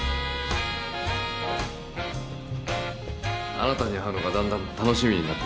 あなたに会うのがだんだん楽しみになってきましたよ。